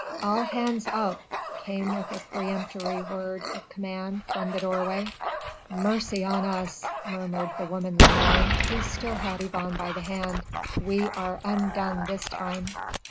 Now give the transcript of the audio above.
"All hands up!" came with a peremptory word of command from the doorway. "Mercy on us!" murmured the woman Lemoine, who still had Yvonne by the hand, "we are undone this time."